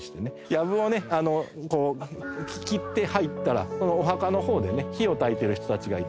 やぶをね切って入ったらお墓の方でね火をたいてる人たちがいた。